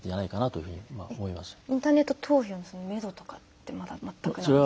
インターネット投票のめどとかってまだ全くないんですか？